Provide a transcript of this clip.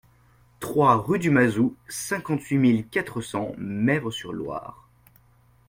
trois rue du Mazou, cinquante-huit mille quatre cents Mesves-sur-Loire